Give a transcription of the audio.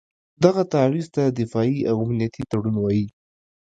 دغه تعویض ته دفاعي او امنیتي تړون وایي.